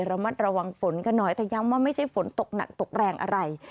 ระมัดระวังฝนกันหน่อยแต่ย้ำว่าไม่ใช่ฝนตกหนักตกแรงอะไร